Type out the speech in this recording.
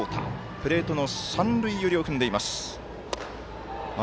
プレートの三塁寄りを踏んでいます。